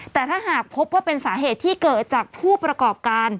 แต่ถ้าหากพบว่าเป็นสาเหตุที่เกิดจากผู้ประกอบการ